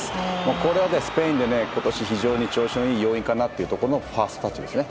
これはスペインでことし非常に調子のいい要因かなというファーストタッチですね。